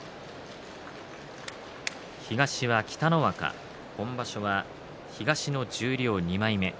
東は北の若今場所は東の十両２枚目。